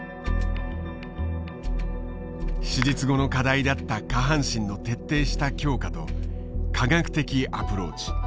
手術後の課題だった下半身の徹底した強化と科学的アプローチ。